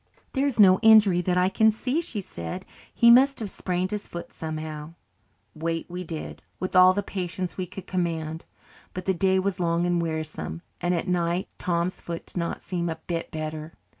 "There is no injury that I can see," she said. "He must have sprained his foot somehow." Wait we did, with all the patience we could command. But the day was long and wearisome, and at night Tom's foot did not seem a bit better.